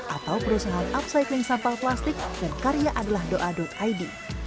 atau perusahaan upcycling sampah plastik dan karya adalah doa id